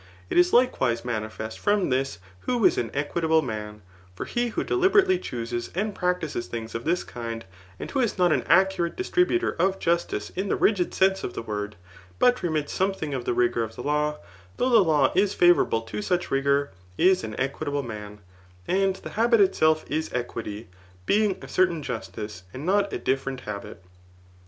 It is likewise manifest from this who is an equitable maiw For he who deliberately chooses and practises thrags of this Idnd^and who is not an accurate distributor of justice in the rigid sense of the word, but remits something of the rigour of the law, though the law is £ivourable to such rigour, is an equitable man« And the habit itself is equity, being a certain justice and not a different habit.